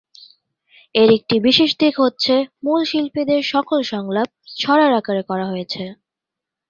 এর একটি বিশেষ দিক হচ্ছে মূল শিল্পীদের সকল সংলাপ ছড়ার আকারে করা হয়েছে।